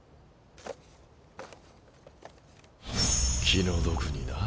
気の毒にな。